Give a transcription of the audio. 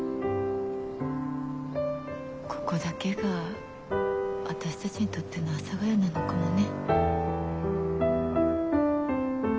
ここだけが私たちにとっての阿佐ヶ谷なのかもね。